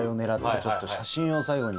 ちょっと写真を最後に。